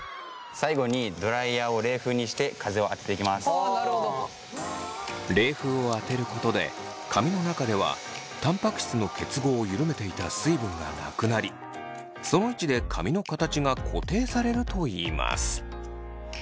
ちなみに冷風を当てることで髪の中ではたんぱく質の結合を緩めていた水分がなくなりその位置で髪の形が固定されるといいます。